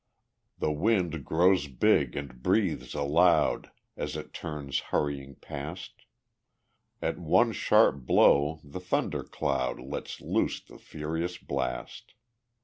The wind grows big and breathes aloud As it runs hurrying past; At one sharp blow the thunder cloud Lets loose the furious blast.